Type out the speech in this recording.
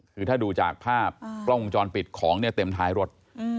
คือถ้าดูจากภาพกล้องวงจรปิดของเนี่ยเต็มท้ายรถ